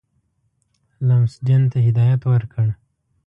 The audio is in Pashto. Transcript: لمسډن ته هدایت ورکړ.